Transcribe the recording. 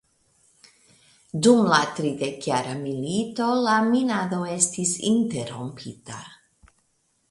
Dum la tridekjara milito la minado estis interrompita.